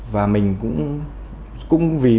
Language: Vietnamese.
và mình cũng